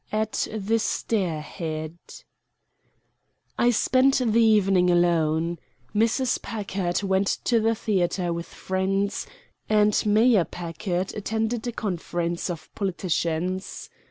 AT THE STAIR HEAD I spent the evening alone. Mrs. Packard went to the theater with friends and Mayor Packard attended a conference of politicians.